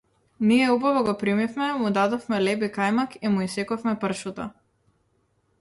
Ние убаво го примивме, му дадовме леб и кајмак и му исековме пршута.